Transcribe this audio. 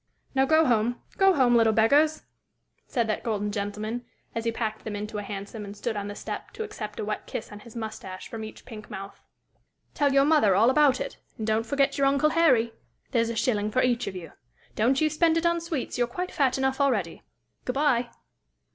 "Now go home go home, little beggars!" said that golden gentleman, as he packed them into a hansom and stood on the step to accept a wet kiss on his mustache from each pink mouth. "Tell your mother all about it, and don't forget your uncle Harry. There's a shilling for each of you. Don't you spend it on sweets. You're quite fat enough already. Good bye!"